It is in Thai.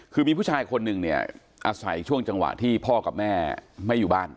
คือมีผู้ชายคนหนึ่งเนี่ยอาศัยช่วงจังหวะที่พ่อกับแม่ไม่อยู่บ้าน